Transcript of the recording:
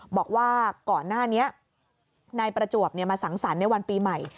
บอกว่าก่อนหน้านี้นายประจวบมาสังสรรค์ในวันปีใหม่